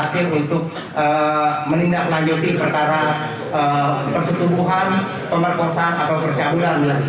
hakim untuk menindaklanjuti perkara persetubuhan pemerkosaan atau percabulan